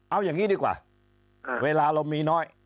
เอาอย่างนี้ดีกว่าเวลาเรามีน้อย